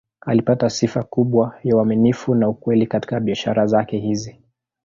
Alipata sifa kubwa ya uaminifu na ukweli katika biashara zake hizi.